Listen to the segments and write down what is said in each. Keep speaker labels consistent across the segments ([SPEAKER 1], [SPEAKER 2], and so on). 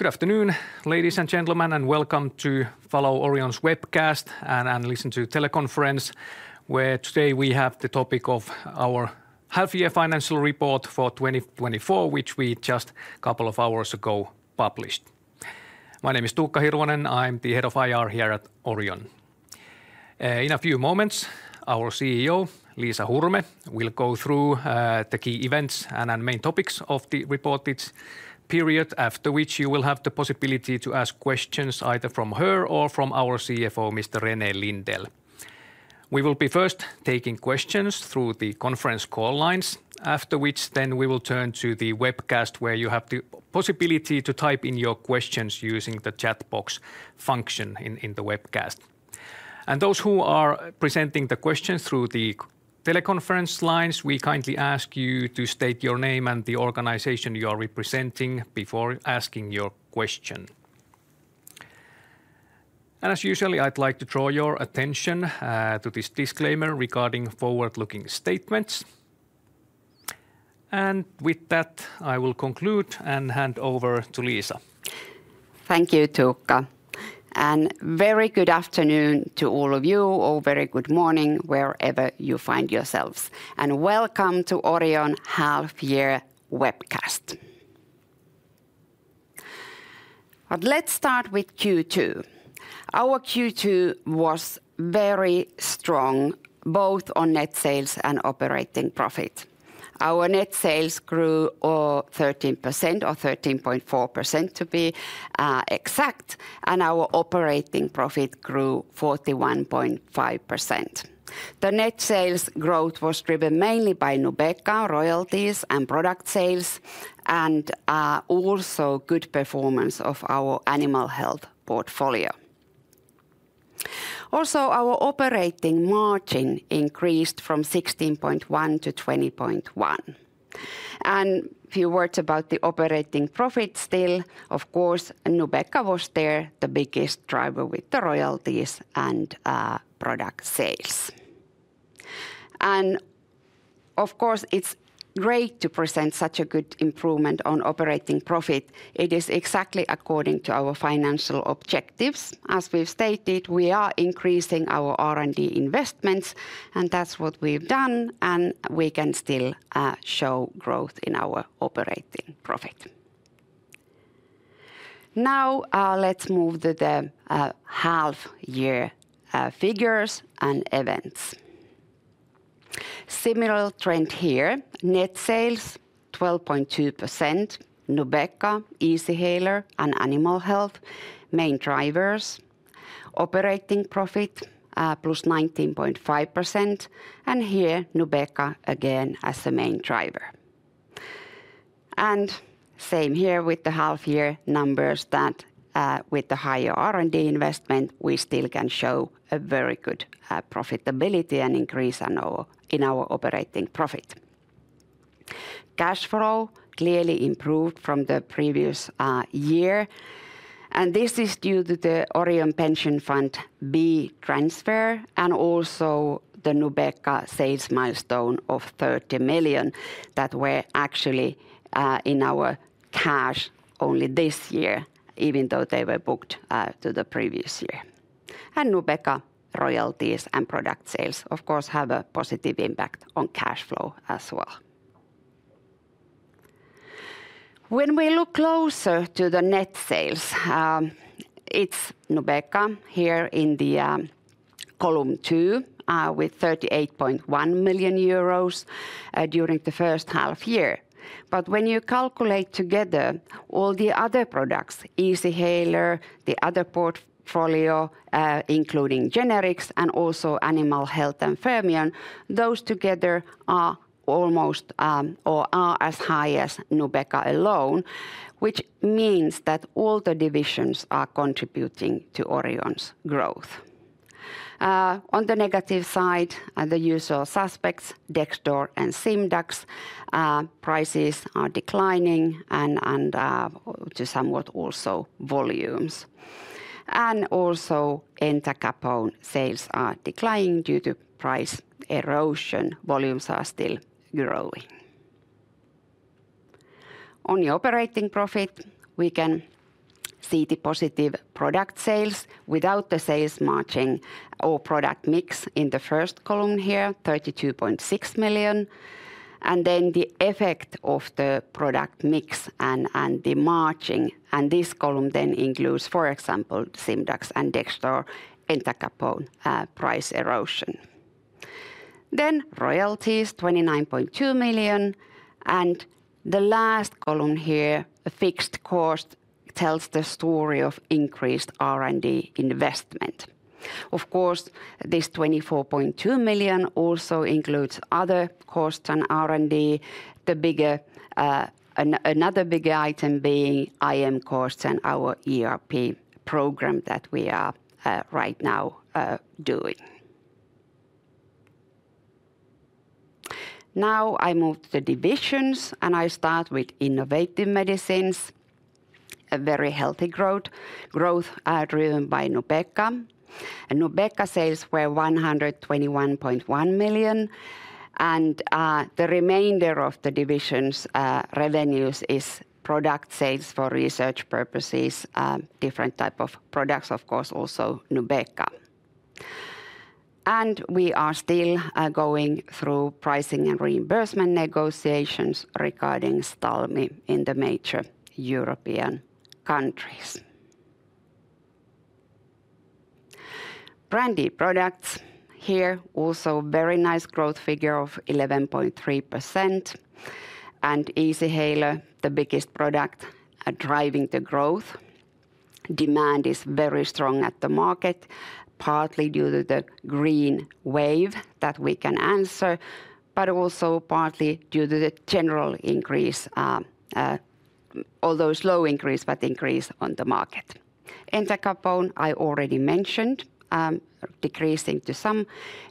[SPEAKER 1] Good afternoon, ladies and gentlemen, and welcome to follow Orion's webcast and listen to teleconference, where today we have the topic of our half-year financial report for 2024, which we just couple of hours ago published. My name is Tuukka Hirvonen. I'm the head of IR here at Orion. In a few moments, our CEO, Liisa Hurme, will go through the key events and main topics of the reported period, after which you will have the possibility to ask questions, either from her or from our CFO, Mr. René Lindell. We will be first taking questions through the conference call lines, after which then we will turn to the webcast, where you have the possibility to type in your questions using the chat box function in the webcast. Those who are presenting the questions through the teleconference lines, we kindly ask you to state your name and the organization you are representing before asking your question. And as usual, I'd like to draw your attention to this disclaimer regarding forward-looking statements. And with that, I will conclude and hand over to Liisa.
[SPEAKER 2] Thank you, Tuukka, and very good afternoon to all of you, or very good morning, wherever you find yourselves, and welcome to Orion Half Year Webcast. But let's start with Q2. Our Q2 was very strong, both on net sales and operating profit. Our net sales grew thirteen percent, or 13.4% to be exact, and our operating profit grew 41.5%. The net sales growth was driven mainly by Nubeqa royalties and product sales, and also good performance of our animal health portfolio. Also, our operating margin increased from 16.1% to 20.1%. And a few words about the operating profit still, of course, Nubeqa was there, the biggest driver with the royalties and product sales. And of course, it's great to present such a good improvement on operating profit. It is exactly according to our financial objectives. As we've stated, we are increasing our R&D investments, and that's what we've done, and we can still show growth in our operating profit. Now, let's move to the half-year figures and events. Similar trend here, net sales 12.2%, Nubeqa, Easyhaler, and Animal Health, main drivers. Operating profit +19.5%, and here, Nubeqa again as the main driver. And same here with the half-year numbers that, with the higher R&D investment, we still can show a very good profitability and increase in our operating profit. Cash flow clearly improved from the previous year, and this is due to the Orion Pension Fund B transfer, and also the Nubeqa sales milestone of 30 million that were actually in our cash only this year, even though they were booked to the previous year. Nubeqa royalties and product sales, of course, have a positive impact on cash flow as well. When we look closer to the net sales, it's Nubeqa here in the column two, with 38.1 million euros during the first half year. But when you calculate together all the other products, Easyhaler, the other portfolio, including generics and also Animal Health and Fermion, those together are almost, or are as high as Nubeqa alone, which means that all the divisions are contributing to Orion's growth. On the negative side, are the usual suspects, Dexdor and Simdax. Prices are declining and to somewhat also volumes. And also, Entacapone sales are declining due to price erosion. Volumes are still growing. On the operating profit, we can see the positive product sales without the sales margin or product mix in the first column here, 32.6 million, and then the effect of the product mix and, and the margining, and this column then includes, for example, Simdax and Dexdor, Entacapone, price erosion. Then royalties, 29.2 million, and the last column here, the fixed cost, tells the story of increased R&D investment. Of course, this 24.2 million also includes other costs on R&D, the bigger, another bigger item being IM costs and our ERP program that we are right now doing. Now, I move to the divisions, and I start with innovative medicines, a very healthy growth, growth, driven by Nubeqa. And Nubeqa sales were 121.1 million.... The remainder of the division's revenues is product sales for research purposes, different type of products, of course, also Nubeqa. We are still going through pricing and reimbursement negotiations regarding Ztalmy in the major European countries. Branded products, here also very nice growth figure of 11.3%, and Easyhaler, the biggest product, are driving the growth. Demand is very strong at the market, partly due to the green wave that we can answer, but also partly due to the general increase, although slow increase, but increase on the market. Entacapone, I already mentioned, decreasing to some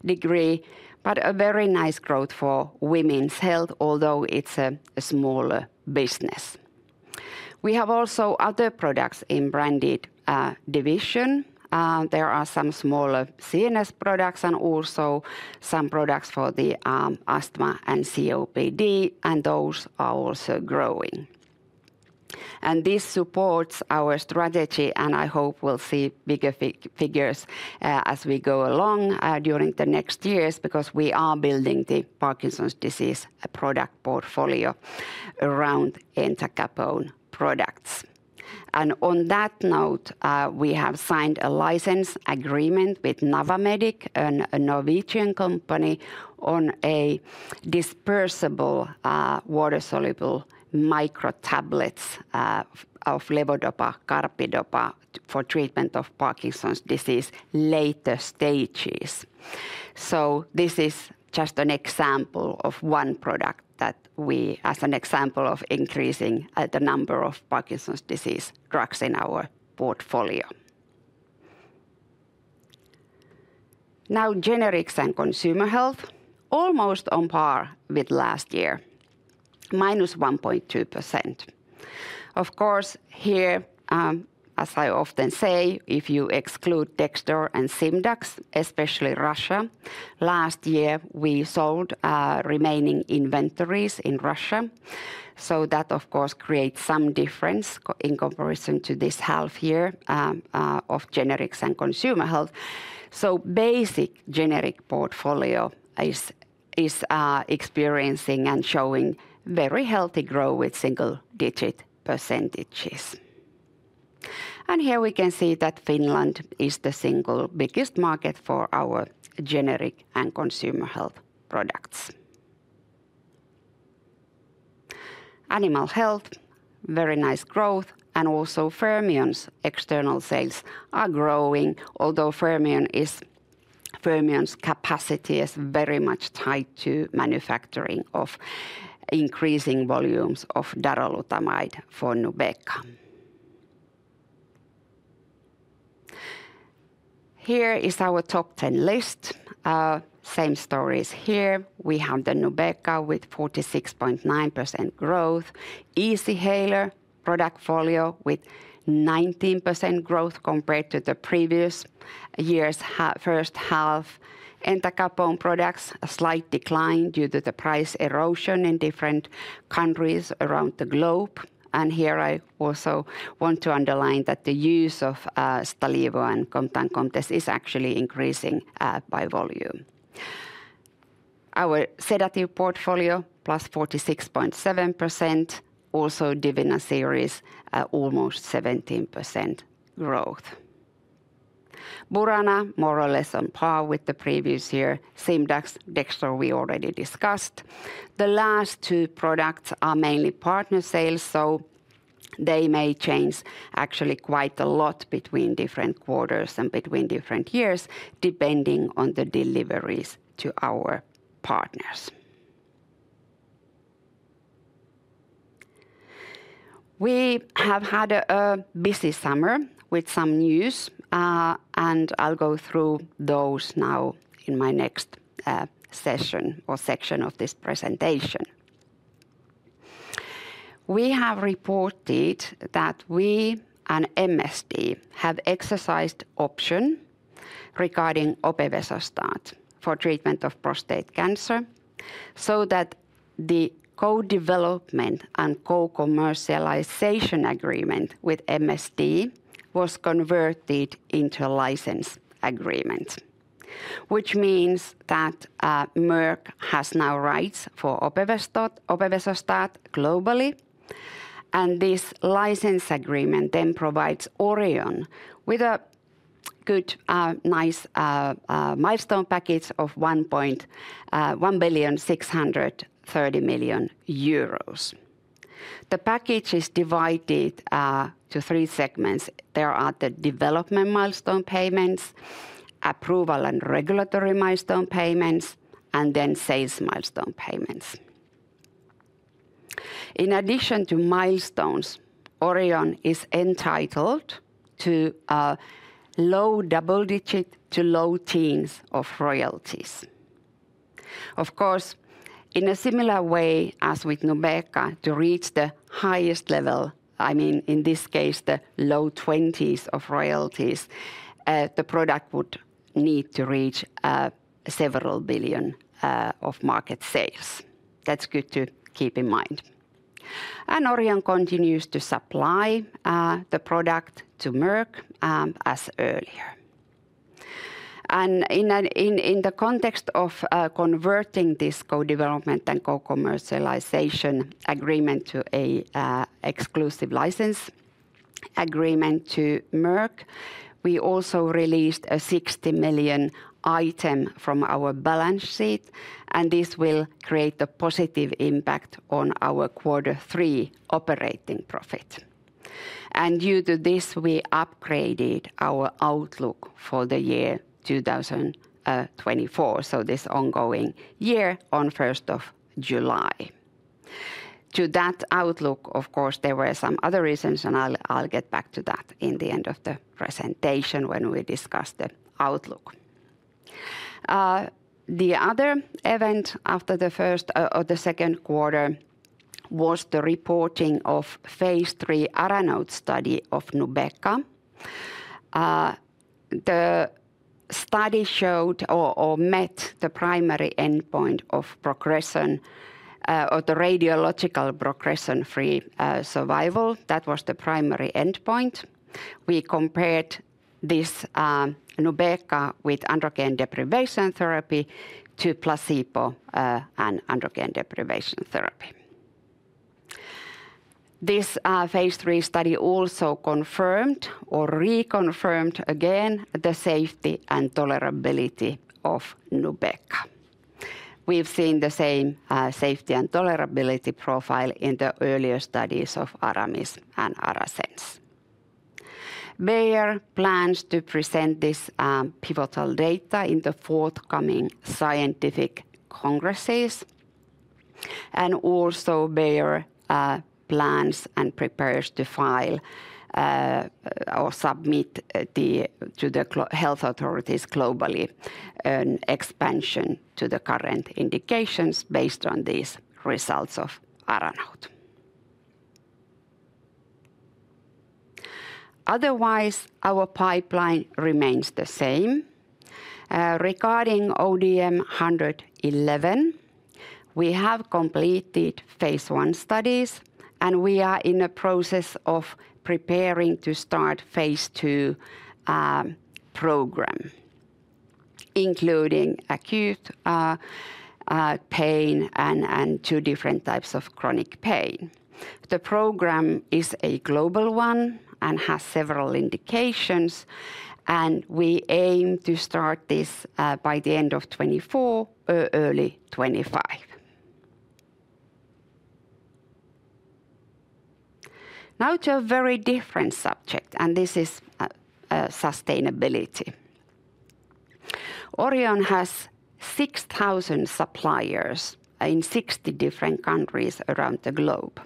[SPEAKER 2] degree, but a very nice growth for women's health, although it's a smaller business. We have also other products in branded division. There are some smaller CNS products and also some products for the asthma and COPD, and those are also growing. This supports our strategy, and I hope we'll see bigger figures as we go along during the next years, because we are building the Parkinson's disease product portfolio around Entacapone products. On that note, we have signed a license agreement with Navamedic, a Norwegian company, on a dispersible water-soluble micro tablets of levodopa/carbidopa for treatment of Parkinson's disease later stages. So this is just an example of one product as an example of increasing the number of Parkinson's disease drugs in our portfolio. Now, generics and consumer health, almost on par with last year, minus 1.2%. Of course, here, as I often say, if you exclude Dextor and Simdax, especially Russia, last year, we sold remaining inventories in Russia, so that, of course, creates some difference in comparison to this half year, of generics and consumer health. So basic generic portfolio is experiencing and showing very healthy growth with single-digit percentages. And here we can see that Finland is the single biggest market for our generic and consumer health products. Animal health, very nice growth, and also Fermion's external sales are growing. Although Fermion's capacity is very much tied to manufacturing of increasing volumes of darolutamide for Nubeqa. Here is our top 10 list. Same stories here. We have the Nubeqa with 46.9% growth, Easyhaler portfolio with 19% growth compared to the previous year's first half. Entacapone products, a slight decline due to the price erosion in different countries around the globe. Here I also want to underline that the use of Stalevo and Comtess is actually increasing by volume. Our sedative portfolio, +46.7%, also Divina series, almost 17% growth. Burana, more or less on par with the previous year. Simdax, Dextor, we already discussed. The last two products are mainly partner sales, so they may change actually quite a lot between different quarters and between different years, depending on the deliveries to our partners. We have had a busy summer with some news, and I'll go through those now in my next session or section of this presentation. We have reported that we and MSD have exercised option regarding opevesostat for treatment of prostate cancer, so that the co-development and co-commercialization agreement with MSD was converted into a license agreement, which means that Merck has now rights for opevesostat globally, and this license agreement then provides Orion with a good, nice milestone package of 1.163 billion. The package is divided to three segments. There are the development milestone payments, approval and regulatory milestone payments, and then sales milestone payments. In addition to milestones, Orion is entitled to low double-digit to low teens of royalties. In a similar way as with Nubeqa, to reach the highest level, I mean, in this case, the low twenties of royalties, the product would need to reach several billion EUR of market sales. That's good to keep in mind. Orion continues to supply the product to Merck as earlier. And in the context of converting this co-development and co-commercialization agreement to a exclusive license agreement to Merck, we also released a 60 million item from our balance sheet, and this will create a positive impact on our quarter three operating profit. And due to this, we upgraded our outlook for the year 2024, so this ongoing year, on first of July. To that outlook, of course, there were some other reasons, and I'll get back to that in the end of the presentation when we discuss the outlook. The other event after the first or the second quarter was the reporting of phase 3 ARANOTE study of Nubeqa. The study showed or met the primary endpoint of progression or the radiological progression-free survival. That was the primary endpoint. We compared this Nubeqa with androgen deprivation therapy to placebo and androgen deprivation therapy. This phase three study also confirmed or reconfirmed again the safety and tolerability of Nubeqa. We've seen the same safety and tolerability profile in the earlier studies of ARAMIS and ARASENS. Bayer plans to present this pivotal data in the forthcoming scientific congresses, and also Bayer plans and prepares to file or submit to the health authorities globally an expansion to the current indications based on these results of ARANOUT. Otherwise, our pipeline remains the same. Regarding ODM-111, we have completed phase one studies, and we are in the process of preparing to start phase two program, including acute pain and two different types of chronic pain. The program is a global one and has several indications, and we aim to start this by the end of 2024 or early 2025. Now to a very different subject, and this is sustainability. Orion has 6,000 suppliers in 60 different countries around the globe.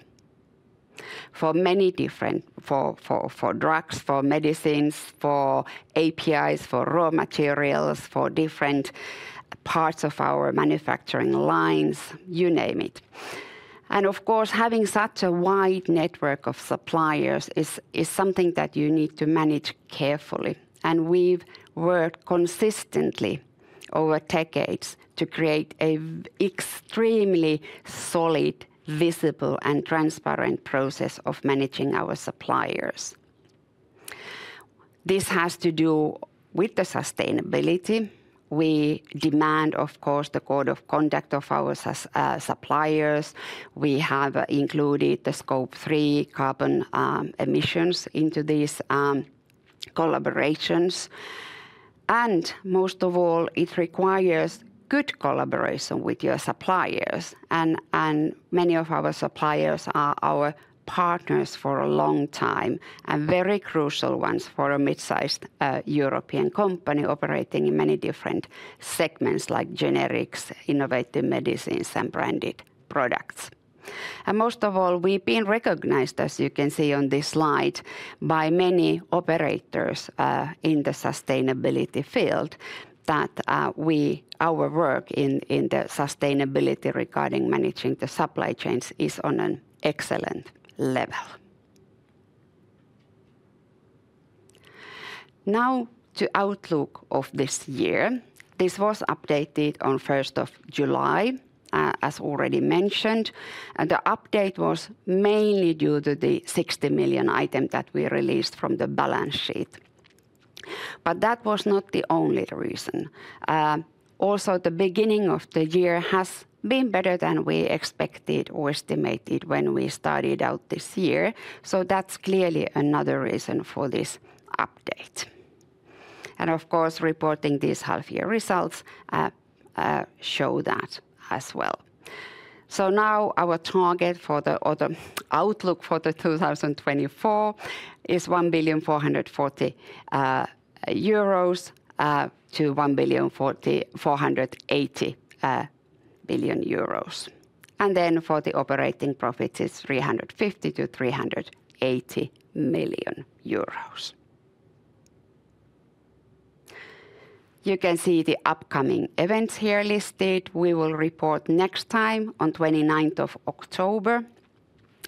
[SPEAKER 2] For many different drugs, for medicines, for APIs, for raw materials, for different parts of our manufacturing lines, you name it. And of course, having such a wide network of suppliers is something that you need to manage carefully, and we've worked consistently over decades to create an extremely solid, visible, and transparent process of managing our suppliers. This has to do with the sustainability. We demand, of course, the code of conduct of our suppliers. We have included the Scope 3 carbon emissions into these collaborations. And most of all, it requires good collaboration with your suppliers, and many of our suppliers are our partners for a long time, and very crucial ones for a mid-sized European company operating in many different segments, like generics, innovative medicines, and branded products. And most of all, we've been recognized, as you can see on this slide, by many operators in the sustainability field, that our work in the sustainability regarding managing the supply chains is on an excellent level. Now to outlook of this year. This was updated on first of July, as already mentioned, and the update was mainly due to the 60 million item that we released from the balance sheet. But that was not the only reason. Also, the beginning of the year has been better than we expected or estimated when we started out this year, so that's clearly another reason for this update. And of course, reporting these half-year results show that as well. So now our target for the, or the outlook for the 2024 is 1.44 billion-1.48 billion euros. And then for the operating profit is 350 million-380 million euros.... You can see the upcoming events here listed. We will report next time on 29th of October,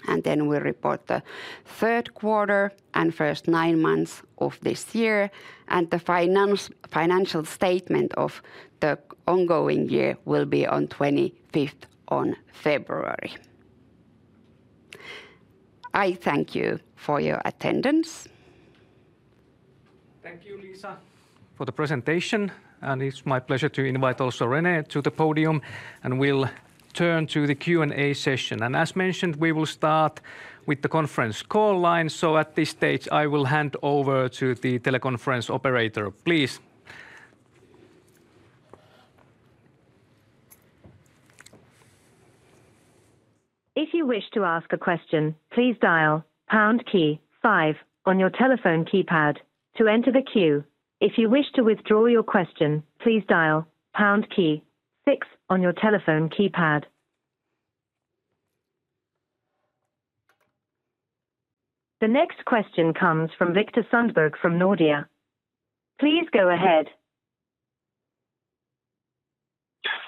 [SPEAKER 2] and then we'll report the third quarter and first 9 months of this year, and the financial statement of the ongoing year will be on 25th of February. I thank you for your attendance.
[SPEAKER 1] Thank you, Liisa, for the presentation, and it's my pleasure to invite also Rene to the podium, and we'll turn to the Q&A session. As mentioned, we will start with the conference call line. At this stage, I will hand over to the teleconference operator, please.
[SPEAKER 3] If you wish to ask a question, please dial pound key five on your telephone keypad to enter the queue. If you wish to withdraw your question, please dial pound key six on your telephone keypad. The next question comes from Viktor Sundberg from Nordea. Please go ahead.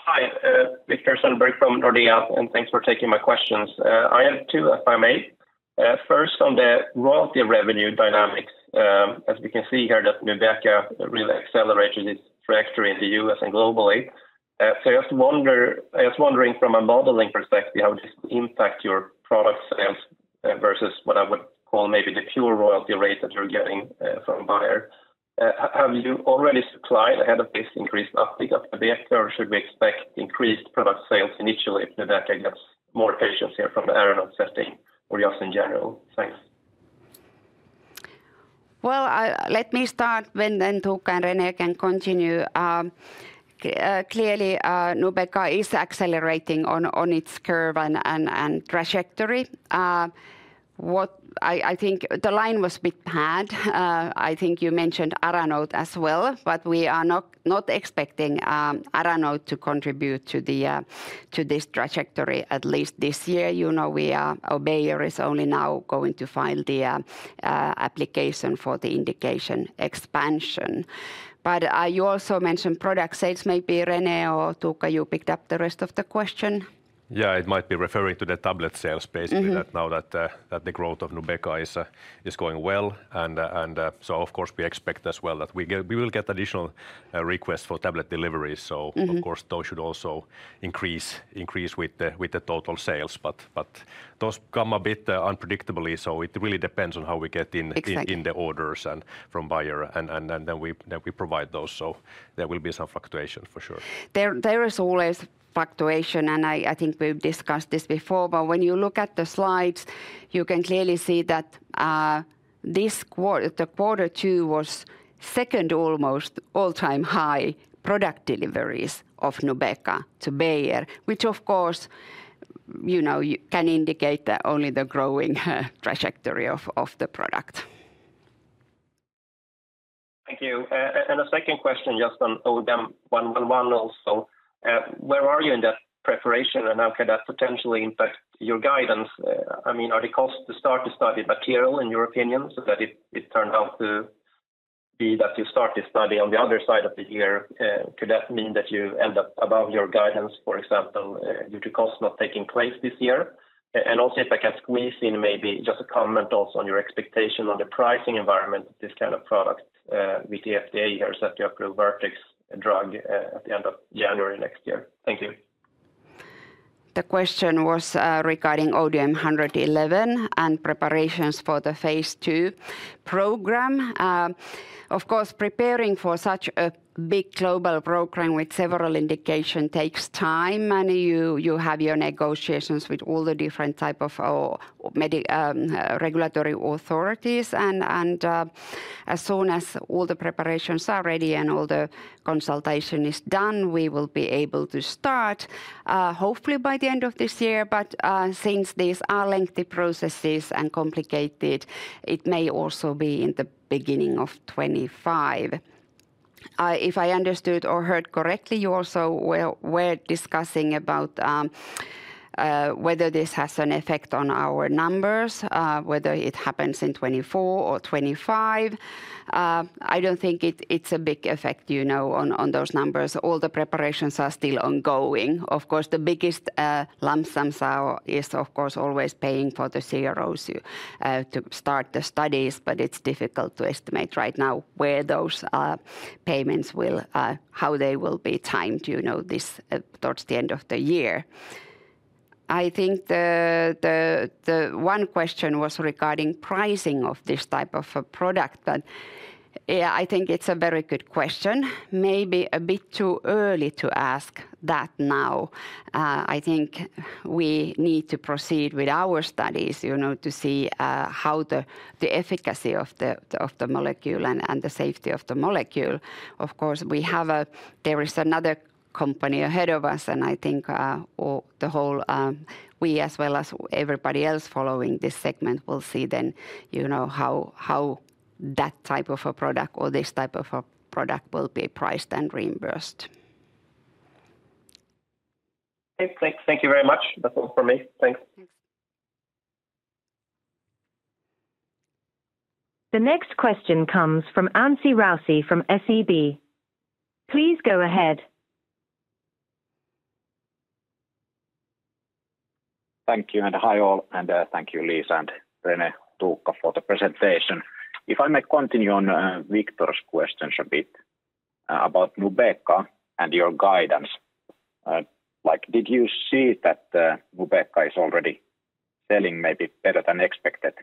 [SPEAKER 4] Hi, Victor Sundberg from Nordea, and thanks for taking my questions. I have two, if I may. First, on the royalty revenue dynamics, as we can see here, that Nubeqa really accelerated its trajectory in the U.S. and globally. So I just wonder, I was wondering from a modeling perspective, how this impact your product sales, versus what I would call maybe the pure royalty rate that you're getting, from Bayer? Have you already supplied ahead of this increased uptick of the uptake, or should we expect increased product sales initially if Nubeqa gets more patients here from the ARANOUT setting or just in general? Thanks.
[SPEAKER 2] Well, let me start with, and Tuukka and Rene can continue. Clearly, Nubeqa is accelerating on its curve and trajectory. What I think the line was a bit bad. I think you mentioned ARANOUT as well, but we are not expecting ARANOUT to contribute to this trajectory, at least this year. You know, we are, or Bayer is only now going to file the application for the indication expansion. But you also mentioned product sales. Maybe Rene or Tuukka, you picked up the rest of the question.
[SPEAKER 5] Yeah, it might be referring to the tablet sales, basically. Mm-hmm... that now that the growth of Nubeqa is going well. And so of course, we expect as well that we get- we will get additional requests for tablet deliveries. Mm-hmm. So of course, those should also increase with the total sales, but those come a bit unpredictably, so it really depends on how we get in-
[SPEAKER 2] Exactly...
[SPEAKER 5] in the orders and from buyer, and then we provide those. So there will be some fluctuation for sure.
[SPEAKER 2] There, there is always fluctuation, and I, I think we've discussed this before. But when you look at the slides, you can clearly see that this quarter, quarter two was second almost all-time high product deliveries of Nubeqa to Bayer, which of course, you know, can indicate the only the growing trajectory of, of the product.
[SPEAKER 4] Thank you. And the second question, just on ODM-111 also, where are you in the preparation and how could that potentially impact your guidance? I mean, are the costs to start the study material, in your opinion, so that it turned out to be that you start this study on the other side of the year, could that mean that you end up above your guidance, for example, due to costs not taking place this year? And also, if I can squeeze in maybe just a comment also on your expectation on the pricing environment, this kind of product, with the FDA here, set your Vertex drug, at the end of January next year. Thank you.
[SPEAKER 2] The question was regarding ODM-111 and preparations for the phase 2 program. Of course, preparing for such a big global program with several indication takes time, and you have your negotiations with all the different type of regulatory authorities, and as soon as all the preparations are ready and all the consultation is done, we will be able to start, hopefully by the end of this year. But since these are lengthy processes and complicated, it may also be in the beginning of 2025. If I understood or heard correctly, you also were discussing about whether this has an effect on our numbers, whether it happens in 2024 or 2025. I don't think it's a big effect, you know, on those numbers. All the preparations are still ongoing. Of course, the biggest lump sums are, of course, always paying for the CROs to start the studies, but it's difficult to estimate right now where those payments will how they will be timed, you know, this towards the end of the year. I think the one question was regarding pricing of this type of a product, but, yeah, I think it's a very good question. Maybe a bit too early to ask that now. I think we need to proceed with our studies, you know, to see how the efficacy of the molecule and the safety of the molecule. Of course, there is another company ahead of us, and I think, all, the whole, we, as well as everybody else following this segment, will see then, you know, how, how that type of a product or this type of a product will be priced and reimbursed.
[SPEAKER 4] Okay, thank you very much. That's all for me. Thanks.
[SPEAKER 3] The next question comes from Ansi Rousi from SEB. Please go ahead.
[SPEAKER 6] Thank you, and hi, all. And, thank you, Liisa and René, Tuukka, for the presentation. If I may continue on, Victor's questions a bit, about Nubeqa and your guidance. Like, did you see that the Nubeqa is already selling maybe better than expected,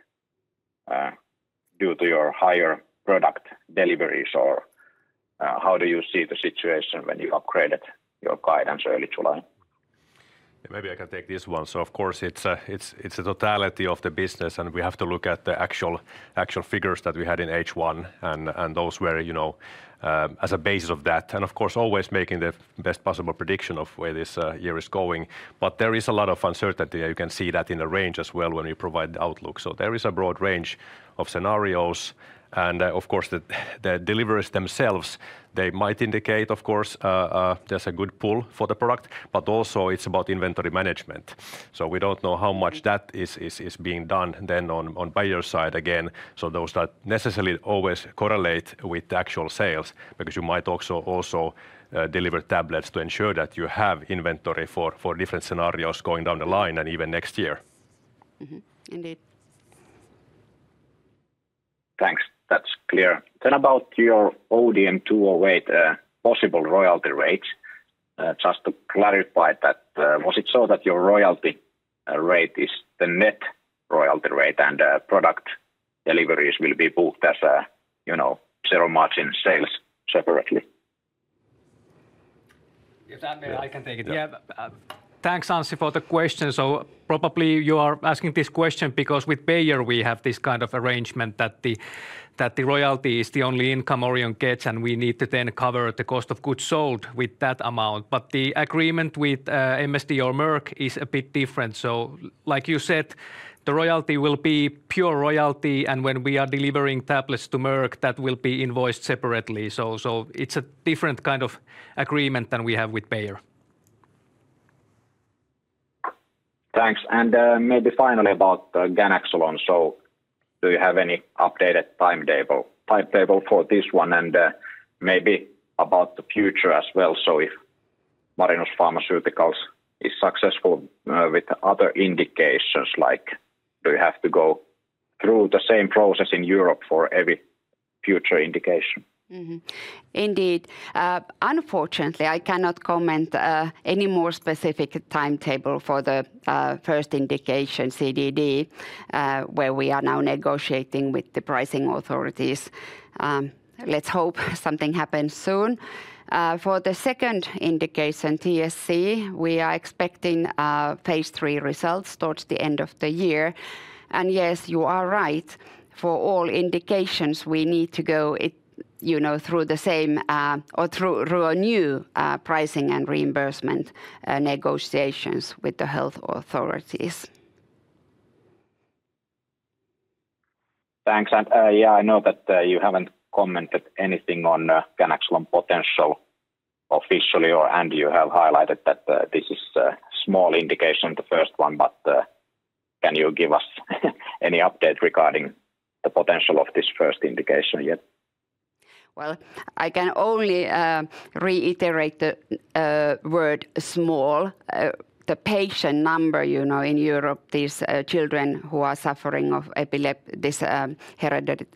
[SPEAKER 6] due to your higher product deliveries? Or, how do you see the situation when you upgraded your guidance early July?
[SPEAKER 5] Maybe I can take this one. So of course, it's a totality of the business, and we have to look at the actual figures that we had in H1, and those were, you know, as a base of that, and of course, always making the best possible prediction of where this year is going. But there is a lot of uncertainty, you can see that in the range as well when we provide the outlook. So there is a broad range of scenarios and, of course, the deliveries themselves, they might indicate, of course, there's a good pull for the product, but also it's about inventory management. So we don't know how much that is being done then on buyer side again. So those don't necessarily always correlate with the actual sales, because you might also deliver tablets to ensure that you have inventory for different scenarios going down the line and even next year.
[SPEAKER 2] Mm-hmm. Indeed.
[SPEAKER 6] Thanks. That's clear. Then about your ODM-208, possible royalty rates, just to clarify that, was it so that your royalty rate is the net royalty rate and, product deliveries will be booked as a, you know, zero margin sales separately?
[SPEAKER 1] If that I can take it. Yeah. Thanks, Ansi, for the question. So probably you are asking this question because with Bayer we have this kind of arrangement that the, that the royalty is the only income Orion gets, and we need to then cover the cost of goods sold with that amount. But the agreement with MSD or Merck is a bit different. So like you said, the royalty will be pure royalty, and when we are delivering tablets to Merck, that will be invoiced separately. So, so it's a different kind of agreement than we have with Bayer.
[SPEAKER 6] Thanks. And, maybe finally about Ganaxolone. So do you have any updated timetable, timetable for this one, and, maybe about the future as well? So if Marinus Pharmaceuticals is successful, with other indications, like do you have to go through the same process in Europe for every future indication?
[SPEAKER 2] Mm-hmm. Indeed. Unfortunately, I cannot comment any more specific timetable for the first indication, CDD, where we are now negotiating with the pricing authorities. Let's hope something happens soon. For the second indication, TSC, we are expecting phase 3 results towards the end of the year. And yes, you are right, for all indications, we need to go, you know, through the same or through a new pricing and reimbursement negotiations with the health authorities.
[SPEAKER 6] Thanks. And, yeah, I know that you haven't commented anything on Ganaxolone potential officially, or, and you have highlighted that this is a small indication, the first one, but can you give us any update regarding the potential of this first indication yet?
[SPEAKER 2] Well, I can only reiterate the word small. The patient number, you know, in Europe, these children who are suffering of epilepsy, this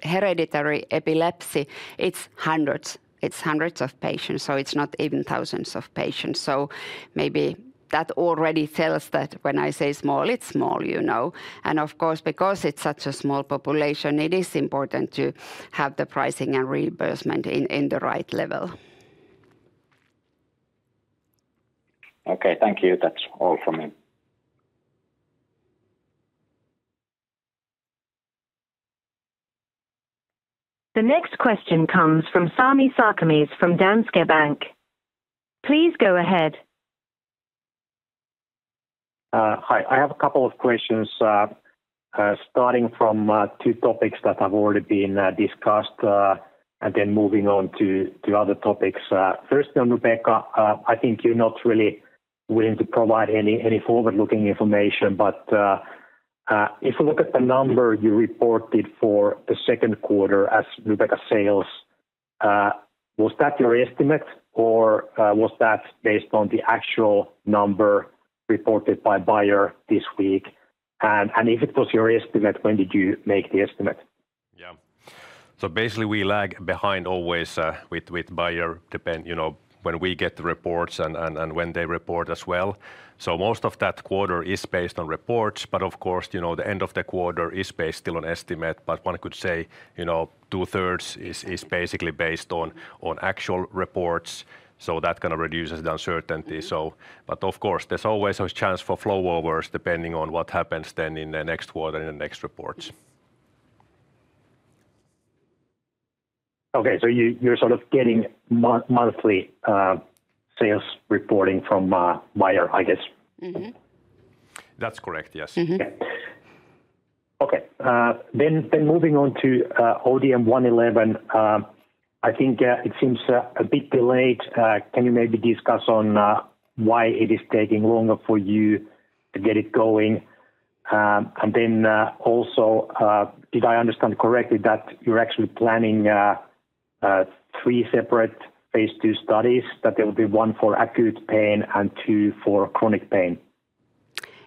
[SPEAKER 2] hereditary epilepsy, it's hundreds, it's hundreds of patients, so it's not even thousands of patients. So maybe that already tells that when I say small, it's small, you know. And of course, because it's such a small population, it is important to have the pricing and reimbursement in the right level.
[SPEAKER 6] Okay, thank you. That's all from me.
[SPEAKER 3] The next question comes from Sami Sarkamie from Danske Bank. Please go ahead.
[SPEAKER 7] Hi. I have a couple of questions, starting from two topics that have already been discussed, and then moving on to other topics. First, on Nubeqa, I think you're not really willing to provide any forward-looking information, but if you look at the number you reported for the second quarter as Nubeqa sales, was that your estimate, or was that based on the actual number reported by Bayer this week? And if it was your estimate, when did you make the estimate?
[SPEAKER 5] Yeah. So basically, we lag behind always with Bayer, depending, you know, when we get the reports and when they report as well. So most of that quarter is based on reports, but of course, you know, the end of the quarter is based still on estimate. But one could say, you know, two-thirds is basically based on actual reports, so that kind of reduces the uncertainty. So... But of course, there's always a chance for flow overs, depending on what happens then in the next quarter, in the next reports.
[SPEAKER 7] Okay, so you, you're sort of getting monthly sales reporting from Bayer, I guess?
[SPEAKER 2] Mm-hmm.
[SPEAKER 5] That's correct, yes.
[SPEAKER 2] Mm-hmm.
[SPEAKER 7] Yeah. Okay, then moving on to ODM-111. I think it seems a bit delayed. Can you maybe discuss on why it is taking longer for you to get it going? And then also, did I understand correctly that you're actually planning three separate phase two studies, that there will be one for acute pain and two for chronic pain?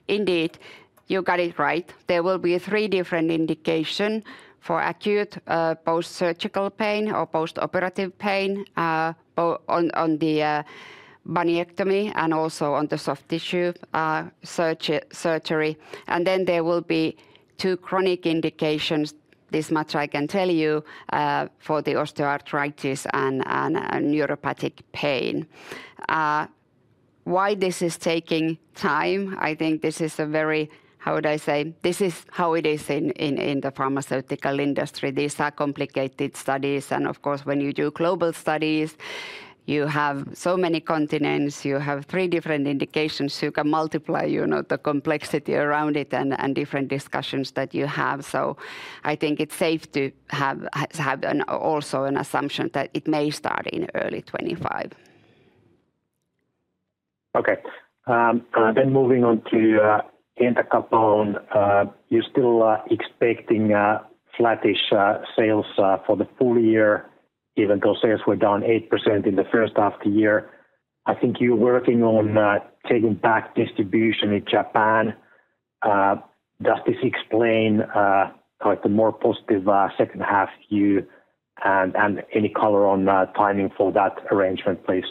[SPEAKER 2] Indeed, you got it right. There will be 3 different indications for acute post-surgical pain or postoperative pain on the bunionectomy and also on the soft tissue surgery. And then there will be 2 chronic indications, this much I can tell you, for the osteoarthritis and neuropathic pain. Why this is taking time, I think this is a very... How would I say? This is how it is in the pharmaceutical industry. These are complicated studies, and of course, when you do global studies, you have so many continents, you have 3 different indications, you can multiply, you know, the complexity around it and different discussions that you have. So I think it's safe to have also an assumption that it may start in early 2025.
[SPEAKER 7] Okay. Then moving on to Entacapone, you're still expecting flattish sales for the full year, even though sales were down 8% in the first half of the year. I think you're working on taking back distribution in Japan. Does this explain like the more positive second half view, and any color on timing for that arrangement, please?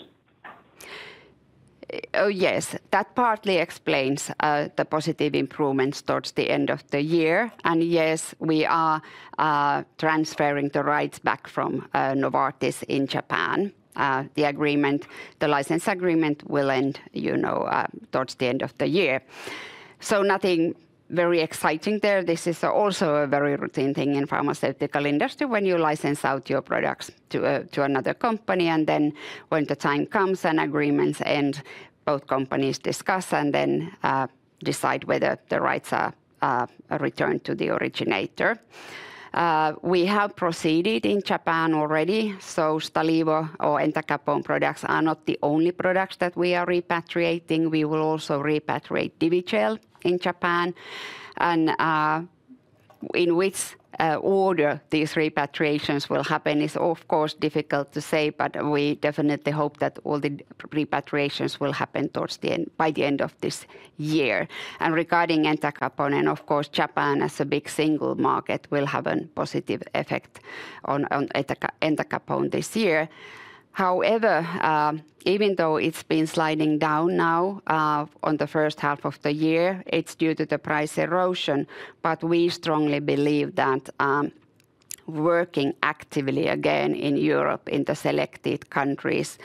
[SPEAKER 2] Oh, yes, that partly explains the positive improvements towards the end of the year. And yes, we are transferring the rights back from Novartis in Japan. The agreement, the license agreement will end, you know, towards the end of the year. So nothing very exciting there. This is also a very routine thing in pharmaceutical industry when you license out your products to to another company, and then when the time comes and agreements end, both companies discuss and then decide whether the rights are returned to the originator. We have proceeded in Japan already, so Stalevo or Entacapone products are not the only products that we are repatriating. We will also repatriate Divigel in Japan. In which order these repatriations will happen is, of course, difficult to say, but we definitely hope that all the repatriations will happen towards the end, by the end of this year. Regarding Entacapone, and of course, Japan as a big single market, will have a positive effect on Entacapone this year. However, even though it's been sliding down now on the first half of the year, it's due to the price erosion. But we strongly believe that working actively again in Europe, in the selected countries,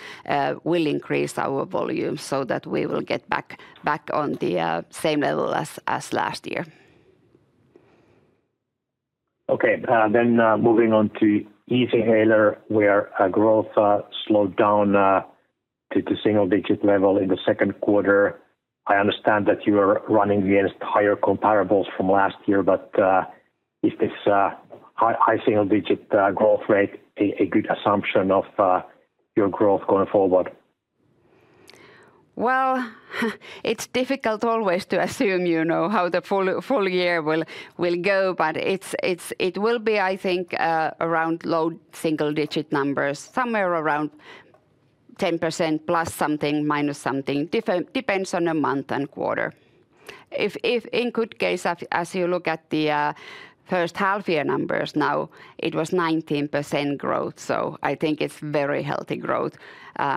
[SPEAKER 2] will increase our volume so that we will get back on the same level as last year.
[SPEAKER 7] Okay, then, moving on to Easyhaler, where growth slowed down to the single-digit level in the second quarter. I understand that you are running against higher comparables from last year, but is this high single-digit growth rate a good assumption of your growth going forward?
[SPEAKER 2] Well, it's difficult always to assume, you know, how the full year will go, but it will be, I think, around low single digit numbers, somewhere around 10% plus something, minus something, depends on the month and quarter. If in good case, as you look at the first half year numbers now, it was 19% growth, so I think it's very healthy growth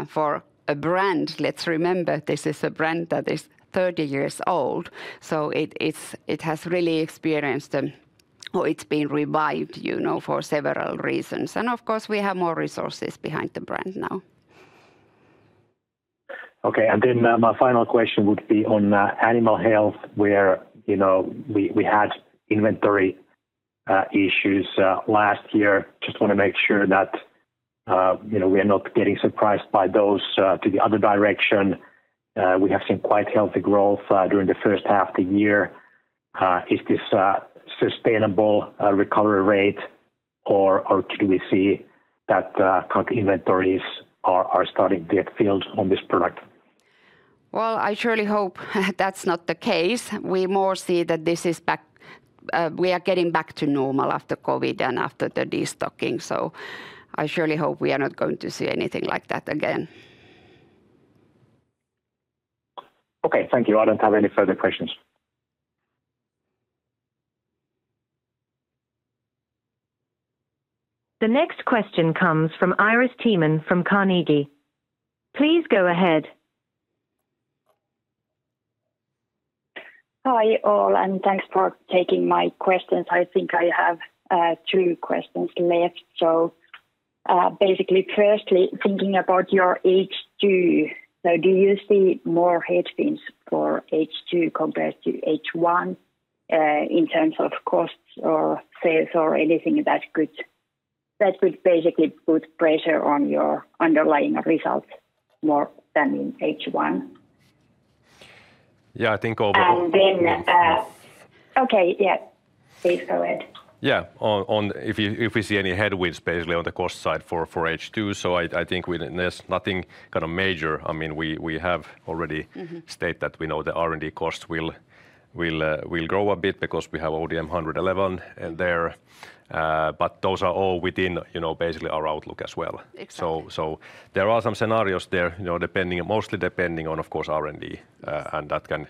[SPEAKER 2] for a brand. Let's remember, this is a brand that is 30 years old, so it... It has really experienced, or it's been revived, you know, for several reasons. And of course, we have more resources behind the brand now.
[SPEAKER 7] Okay, and then, my final question would be on animal health, where, you know, we, we had inventory issues last year. Just wanna make sure that, you know, we are not getting surprised by those to the other direction. We have seen quite healthy growth during the first half of the year. Is this a sustainable recovery rate, or, or do we see that current inventories are, are starting to get filled on this product?
[SPEAKER 2] Well, I surely hope that's not the case. We more see that this is back, we are getting back to normal after COVID and after the destocking, so I surely hope we are not going to see anything like that again.
[SPEAKER 7] Okay, thank you. I don't have any further questions.
[SPEAKER 3] The next question comes from Iris Tieman from Carnegie. Please go ahead.
[SPEAKER 8] Hi, all, and thanks for taking my questions. I think I have two questions left. So, basically, firstly, thinking about your H2, so do you see more headwinds for H2 compared to H1 in terms of costs or sales or anything that could basically put pressure on your underlying results more than in H1?...
[SPEAKER 5] Yeah, I think overall-
[SPEAKER 8] And then, okay, yeah, please go ahead.
[SPEAKER 5] Yeah, on if we see any headwinds basically on the cost side for H2, so I think there's nothing kind of major. I mean, we have already-
[SPEAKER 2] Mm-hmm...
[SPEAKER 5] stated that we know the R&D costs will grow a bit because we have ODM-111 in there. But those are all within, you know, basically our outlook as well.
[SPEAKER 2] Exactly.
[SPEAKER 5] So, there are some scenarios there, you know, depending, mostly depending on, of course, R&D.
[SPEAKER 2] Yes.
[SPEAKER 5] And that can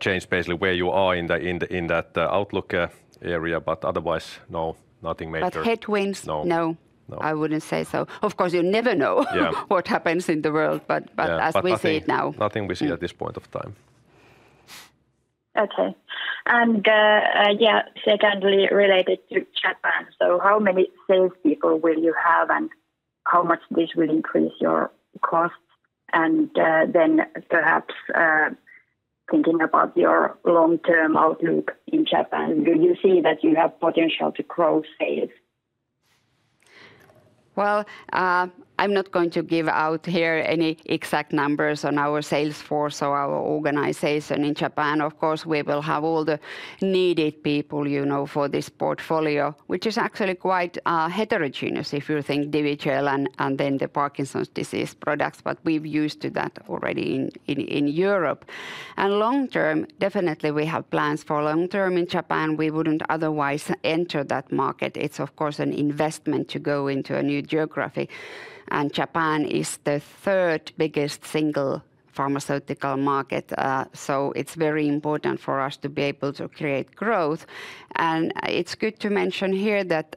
[SPEAKER 5] change basically where you are in that outlook area, but otherwise, no, nothing major.
[SPEAKER 2] But headwinds-
[SPEAKER 5] No.
[SPEAKER 2] No.
[SPEAKER 5] No.
[SPEAKER 2] I wouldn't say so. Of course, you never know -
[SPEAKER 5] Yeah...
[SPEAKER 2] what happens in the world, but-
[SPEAKER 5] Yeah...
[SPEAKER 2] but as we see it now.
[SPEAKER 5] Nothing we see at this point of time.
[SPEAKER 8] Okay. And, yeah, secondly, related to Japan, so how many salespeople will you have, and how much this will increase your costs? And, then perhaps, thinking about your long-term outlook in Japan, do you see that you have potential to grow sales?
[SPEAKER 2] Well, I'm not going to give out here any exact numbers on our sales force or our organization in Japan. Of course, we will have all the needed people, you know, for this portfolio, which is actually quite heterogeneous if you think Divigel and, and then the Parkinson's disease products, but we've used to that already in Europe. Long term, definitely we have plans for long term in Japan. We wouldn't otherwise enter that market. It's of course, an investment to go into a new geography, and Japan is the third biggest single pharmaceutical market. So it's very important for us to be able to create growth. And it's good to mention here that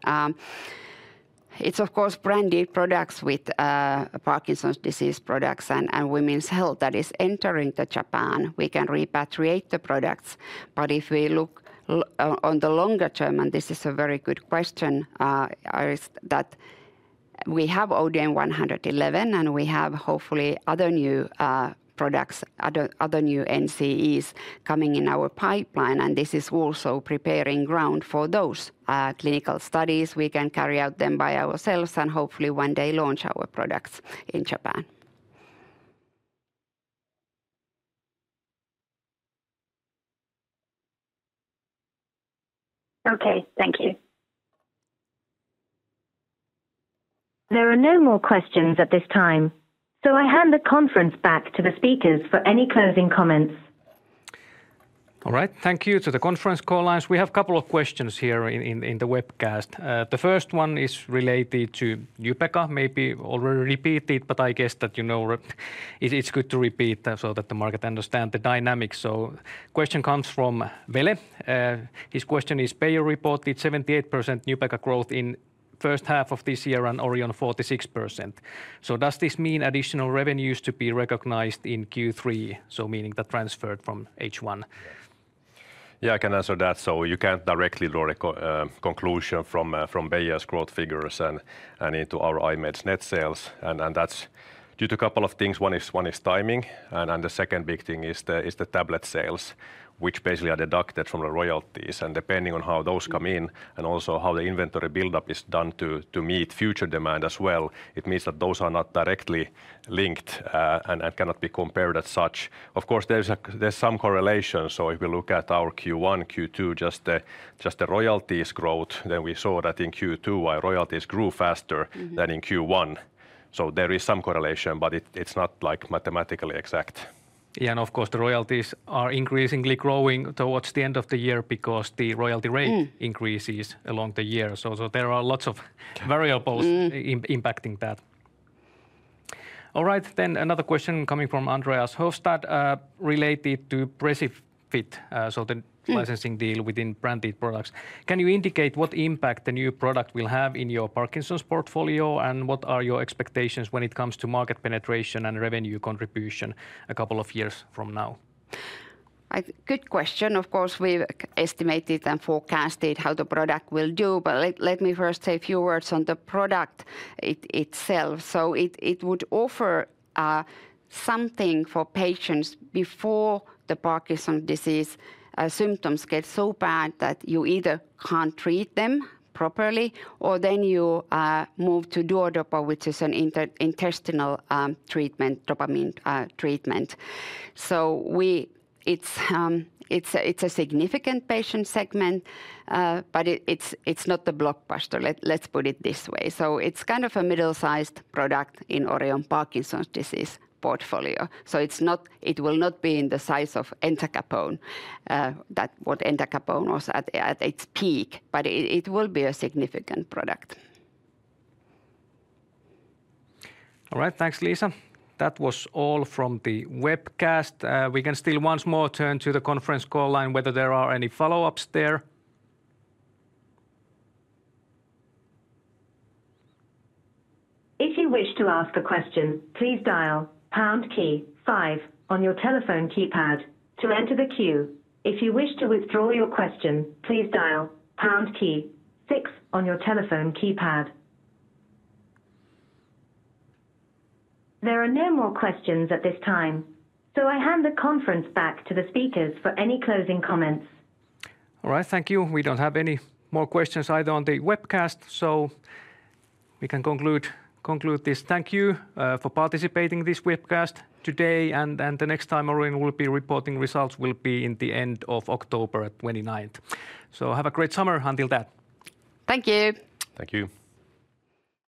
[SPEAKER 2] it's, of course, branded products with Parkinson's disease products and women's health that is entering to Japan. We can repatriate the products, but if we look on the longer term, and this is a very good question, is that we have ODM-111, and we have hopefully other new products, other, other new NCEs coming in our pipeline, and this is also preparing ground for those clinical studies. We can carry out them by ourselves and hopefully one day launch our products in Japan.
[SPEAKER 8] Okay. Thank you.
[SPEAKER 3] There are no more questions at this time, so I hand the conference back to the speakers for any closing comments.
[SPEAKER 1] All right. Thank you to the conference call lines. We have a couple of questions here in the webcast. The first one is related to Nubeqa, maybe already repeated, but I guess that, you know, it is good to repeat so that the market understand the dynamics. So question comes from Veli. His question is, "Bayer reported 78% Nubeqa growth in first half of this year and Orion 46%. So does this mean additional revenues to be recognized in Q3?" So meaning that transferred from H1.
[SPEAKER 5] Yeah, I can answer that. So you can't directly draw a conclusion from Bayer's growth figures and into our iMedS net sales, and that's due to a couple of things. One is timing, and the second big thing is the tablet sales, which basically are deducted from the royalties. And depending on how those come in and also how the inventory buildup is done to meet future demand as well, it means that those are not directly linked and cannot be compared as such. Of course, there's some correlation, so if we look at our Q1, Q2, just the royalties growth, then we saw that in Q2, our royalties grew faster-
[SPEAKER 2] Mm-hmm...
[SPEAKER 5] than in Q1. So there is some correlation, but it, it's not, like, mathematically exact.
[SPEAKER 1] Yeah, and of course, the royalties are increasingly growing towards the end of the year because the royalty rate-
[SPEAKER 2] Mm...
[SPEAKER 1] increases along the year. So, there are lots of variables-
[SPEAKER 2] Mm...
[SPEAKER 1] impacting that. All right, then another question coming from Andreas Hostad, related to Flexilev, so the-
[SPEAKER 2] Mm...
[SPEAKER 1] licensing deal within branded products. "Can you indicate what impact the new product will have in your Parkinson's portfolio, and what are your expectations when it comes to market penetration and revenue contribution a couple of years from now?
[SPEAKER 2] A good question. Of course, we've estimated and forecasted how the product will do, but let me first say a few words on the product itself. So it would offer something for patients before the Parkinson's disease symptoms get so bad that you either can't treat them properly, or then you move to Duodopa, which is an intestinal treatment, dopamine treatment. It's a significant patient segment, but it's not the blockbuster. Let's put it this way. So it's kind of a middle-sized product in Orion Parkinson's disease portfolio. So it's not it will not be in the size of Entacapone than what Entacapone was at its peak, but it will be a significant product.
[SPEAKER 1] All right. Thanks, Liisa. That was all from the webcast. We can still once more turn to the conference call line, whether there are any follow-ups there.
[SPEAKER 3] If you wish to ask a question, please dial pound key five on your telephone keypad to enter the queue. If you wish to withdraw your question, please dial pound key six on your telephone keypad. There are no more questions at this time, so I hand the conference back to the speakers for any closing comments.
[SPEAKER 1] All right. Thank you. We don't have any more questions either on the webcast, so we can conclude this. Thank you for participating in this webcast today, and the next time Orion will be reporting results will be in the end of October, at 29th. So have a great summer until then.
[SPEAKER 2] Thank you!
[SPEAKER 5] Thank you.